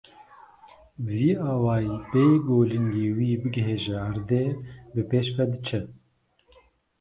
Bi vî awayî bêyî ku lingê wî bigihîje erdê, bi pêş ve diçe.